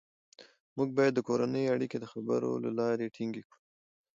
موږ باید د کورنۍ اړیکې د خبرو له لارې ټینګې کړو